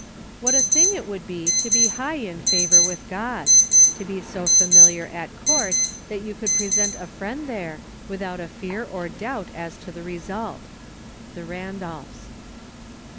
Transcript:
What a thing it would be to be high in favor with God; to be so familiar at court that you could present a friend there, without a fear or doubt as to the result. The Randolphs.